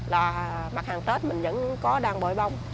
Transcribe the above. là mặt hàng tết mình vẫn có đang bội bông